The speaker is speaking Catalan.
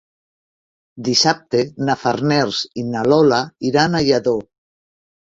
Dissabte na Farners i na Lola iran a Lladó.